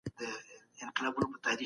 سياسي بې ثباتي ټولنې ته زيان رسوي.